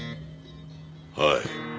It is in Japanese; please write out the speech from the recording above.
はい。